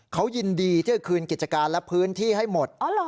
เขายินดีที่จะคืนกิจการและพื้นที่ให้หมด